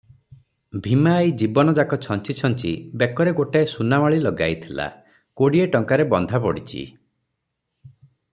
ଭୀମା ଆଈ ଜୀବନଯାକ ଛଞ୍ଚି ଛଞ୍ଚି ବେକରେ ଗୋଟାଏ ସୁନାମାଳୀ ଲଗାଇଥିଲା, କୋଡିଏ ଟଙ୍କାରେ ବନ୍ଧା ପଡିଛି ।